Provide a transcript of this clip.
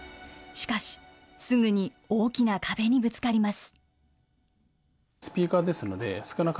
しかし、すぐに大きな壁にぶつかります。